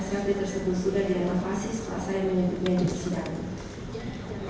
sati tersebut sudah direnovasi setelah saya menyebutnya di visi dalam